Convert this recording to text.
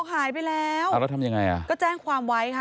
หายไปแล้วเอาแล้วทำยังไง